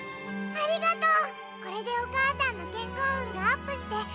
ありがとう。